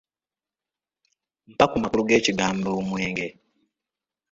Mpa amakulu g’ekigambo "omwenge".